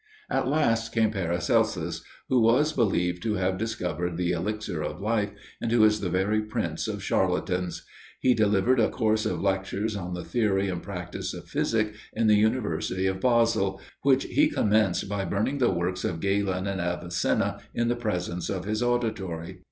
At last came Paracelsus, who was believed to have discovered the elixir of life, and who is the very prince of charlatans. He delivered a course of lectures on the theory and practice of physic in the University of Basle, which he commenced by burning the works of Galen and Avicenna in the presence of his auditory.